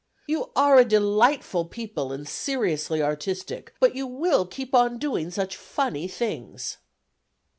"You are a delightful people and seriously artistic, but you will keep on doing such funny things."